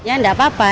ya enggak apa apa